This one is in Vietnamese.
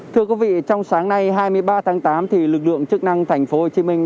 thưa quý vị trong sáng nay hai mươi ba tháng tám lực lượng chức năng thành phố hồ chí minh